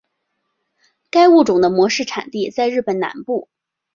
该物种的模式产地在日本南部。